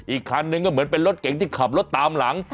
อีกคันนึงก็เหมือนเป็นรถเก่งที่ขับรถตามหลัง